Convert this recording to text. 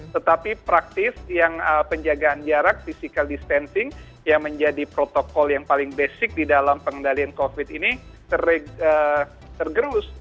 tetapi praktis yang penjagaan jarak physical distancing yang menjadi protokol yang paling basic di dalam pengendalian covid ini tergerus